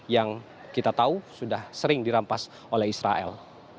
yang kita tahu sudah sering dirampas oleh israel